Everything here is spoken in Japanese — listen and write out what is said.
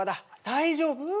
大丈夫？